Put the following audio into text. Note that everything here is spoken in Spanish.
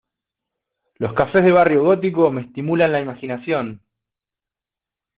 Los cafés del Barrio Gótico me estimulan la imaginación.